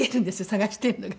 捜してるのが。